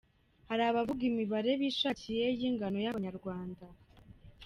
Hari abavuga imibare bishakiye y’ingano y’Abanyarwanda.